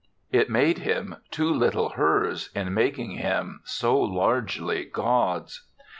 It made him too little hers in making him so largely God's.